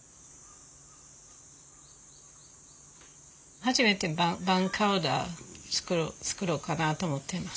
初めてバーニャカウダ作ろうかなと思ってます。